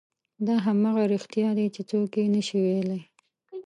دا همغه رښتیا دي چې څوک یې نه شي ویلی.